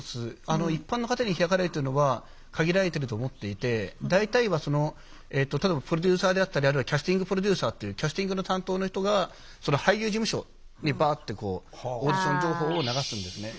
一般の方に開かれるっていうのは限られてると思っていて大体は例えばプロデューサーであったりあるいはキャスティングプロデューサーっていうキャスティングの担当の人が俳優事務所にバッてオーディション情報を流すんですね。